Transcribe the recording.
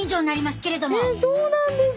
ええそうなんです。